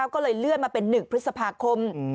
ก็เลยเลื่อนมาเป็น๑พฤษภาคม